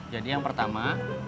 jadi yang pertama